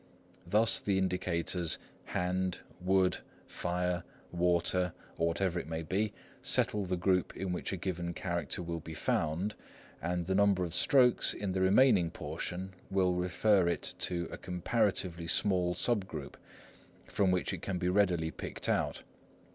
Thus, the indicators "hand," "wood," "fire," "water," or whatever it may be, settle the group in which a given character will be found, and the number of strokes in the remaining portion will refer it to a comparatively small sub group, from which it can be readily picked out.